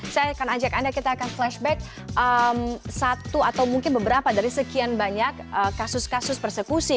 saya akan ajak anda kita akan flashback satu atau mungkin beberapa dari sekian banyak kasus kasus persekusi